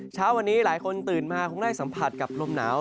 เช้าวันนี้หลายคนตื่นมาคงได้สัมผัสกับลมหนาว